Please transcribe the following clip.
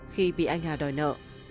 khi bị anh hà đòi nợ